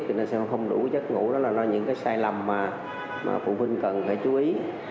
không đủ chất ngủ đó là những cái sai lầm mà phụ huynh cần phải chú ý